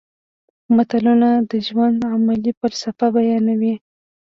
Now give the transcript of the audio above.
متلونه د ژوند عملي فلسفه بیانوي